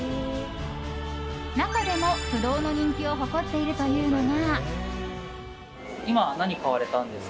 中でも不動の人気を誇っているというのが。